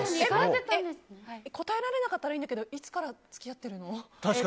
答えられなかったらいいんだけどいつから付き合ってるの？